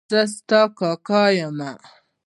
زه ستا کاکا یم.